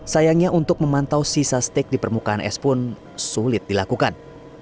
sayangnya untuk memantau sisa steak di permukaan es pun sulit dilakukan